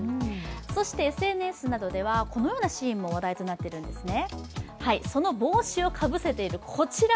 そしてＳＮＳなどでは、このようなシーンも話題となっているんですね。